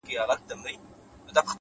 عاجزي د لویوالي ښکاره نښه ده،